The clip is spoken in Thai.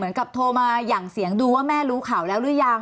มันคงคิดแม่ไม่รู้หรือยัง